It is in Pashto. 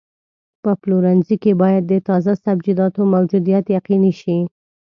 په پلورنځي کې باید د تازه سبزیجاتو موجودیت یقیني شي.